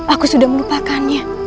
aku sudah melupakannya